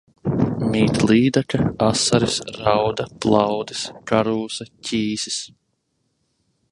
Mīt līdaka, asaris, rauda, plaudis, karūsa, ķīsis.